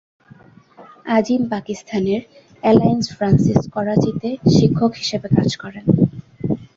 আজিম পাকিস্তানের Alliance Francaise করাচিতে শিক্ষক হিসাবে কাজ করেন।